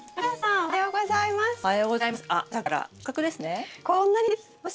おはようございます。